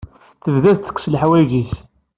Tebda tettekkes leḥwayeǧ-is.